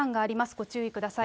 ご注意ください。